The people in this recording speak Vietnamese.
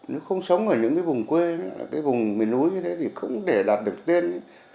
nếu không sống ở những cái vùng quê cái vùng miền núi như thế thì không thể đạt được tên